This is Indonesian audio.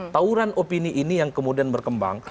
tauran opini ini yang kemudian berkembang